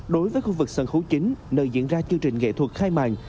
đối với khu vực sân khấu chính nơi diễn ra chương trình nghệ thuật khai màn